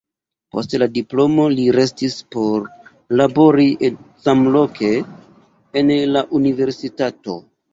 Post la diplomo li restis por labori samloke en la universitato.